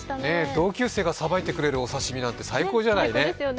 同級生がさばいてくれるお刺身なんて最高じゃないね。